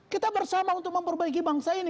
kita bersama untuk memperbaiki bangsa ini